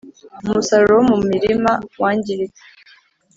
umusaruro wo mu mirima wangiritse.